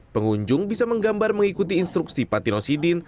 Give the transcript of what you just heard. pengunjung bisa menggambar mengikuti instruksi pak tino sidin